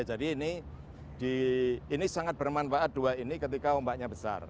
ini sangat bermanfaat dua ini ketika ombaknya besar